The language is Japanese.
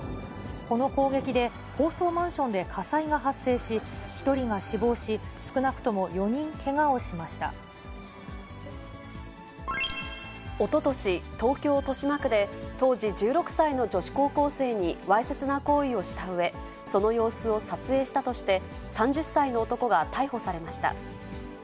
この攻撃で高層マンションで火災が発生し、１人が死亡し、少なくおととし、東京・豊島区で当時１６歳の女子高校生にわいせつな行為をしたうえ、その様子を撮影したとして、３０歳の男が逮捕されました。